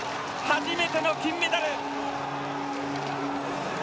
初めての金メダル！